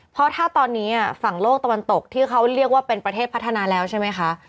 เพราะถ้าตอนนี้ฝั่งโลกตะวันตกที่เขาเรียกว่าเป็นประเทศพัฒนาแล้วใช่ไหมคะ